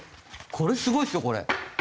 これすごいですよこれ。